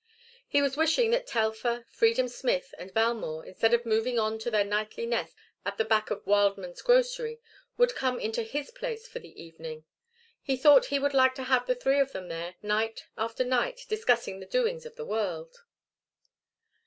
He was wishing that Telfer, Freedom Smith, and Valmore, instead of moving on to their nightly nest at the back of Wildman's grocery, would come into his place for the evening. He thought he would like to have the three of them there night after night discussing the doings of the world.